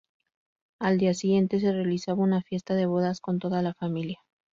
Al día siguiente se realizaba una fiesta de bodas con toda la familia.